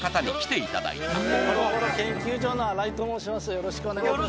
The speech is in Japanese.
よろしくお願いします